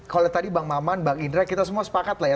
kalau tadi bang maman bang indra kita semua sepakat lah ya